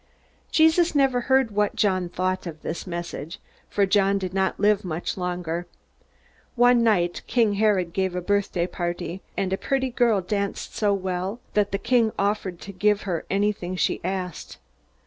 Jesus never heard what John thought of this message. For John did not live much longer. One night King Herod gave a birthday party, and a pretty girl danced so well that the king offered to give her anything she asked.